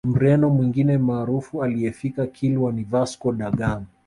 Mreno mwingine maarufu aliyefika Kilwa ni Vasco da Gama